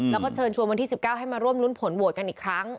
แล้วก็เชิญชวนวันที่๑๙ให้มาร่วมรุ้นผลโหวตกันอีกครั้ง